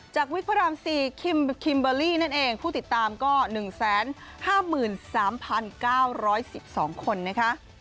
วิกพระราม๔คิมเบอร์รี่นั่นเองผู้ติดตามก็๑๕๓๙๑๒คนนะคะ